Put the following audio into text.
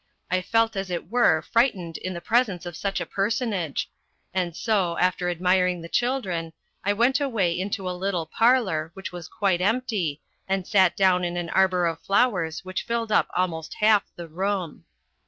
I felt as it were frightened in the presence of such a personage, and so, after admiring the children, I went away into a little parlour, which was quite empty, and sat down in an arbour of flowers which filled up almost half the room.